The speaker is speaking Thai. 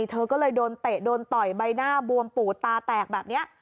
เธอก็เลยโดนเตะโดนต่อยใบหน้าบวมปูดตาแตกแบบนี้